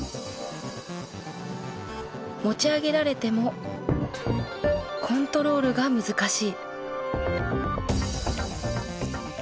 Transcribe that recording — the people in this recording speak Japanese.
持ち上げられてもコントロールが難しい。